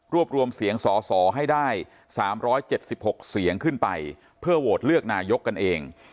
รวมรวมเสียงสอสอให้ได้๓๗๖เสียงขึ้นไปเพื่อโหวตเลือกนายกกันเอง